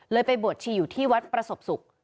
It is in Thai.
ไปบวชชีอยู่ที่วัดประสบศุกร์